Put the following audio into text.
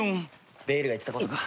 ベイルが言ってたことか。